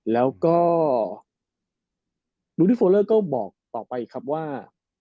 แล้วก็ดูดิโฟเลอร์ก็บอกต่อไปครับว่า